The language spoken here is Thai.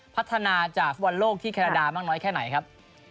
พัฒนาจากฟุตบอลโลกที่แคนาดามากน้อยแค่ไหนครับ